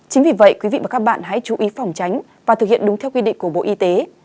chính vì vậy quý vị và các bạn hãy chú ý phòng tránh và thực hiện đúng theo quy định của bộ y tế